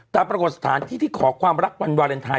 แต่ประกดสถานที่ที่ขอรักวันวาเลนไทย